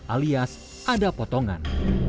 alias ada potongan